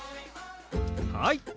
はい！